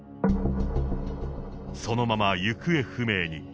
そのまま行方不明に。